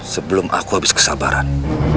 sebelum aku habis kesabaran